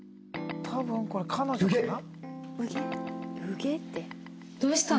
多分これ彼女かな？